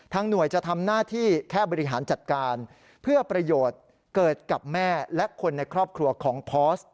หน่วยจะทำหน้าที่แค่บริหารจัดการเพื่อประโยชน์เกิดกับแม่และคนในครอบครัวของพอส